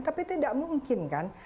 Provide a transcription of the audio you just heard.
tapi tidak mungkin kan